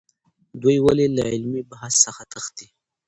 دوی ولې له علمي بحث څخه تښتي؟